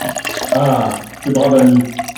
Ah ! ce brave ami !